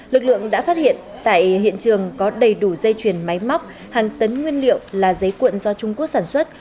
lực lượng đã phát hiện tại hiện trường có đầy đủ dây chuyển máy móc hàng tấn nguyên liệu là giấy cuộn do trung quốc sản xuất